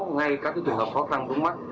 ngay các tùy hợp khó khăn đúng mắt